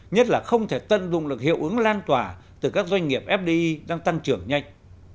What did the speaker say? nhất là không thể tân dung lực hiệu ứng lan tỏa từ các doanh nghiệp fdi đang tăng trưởng nhanh